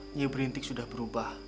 nyai berintik sudah berubah